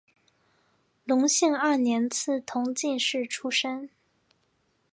隆兴二年赐同进士出身。